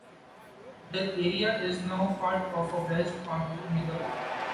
The area is now part of a West Park neighborhood.